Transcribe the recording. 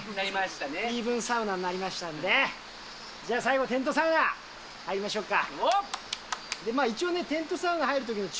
イーブンサウナになりましたんで、じゃあ最後、テントサウナ入りましょうか。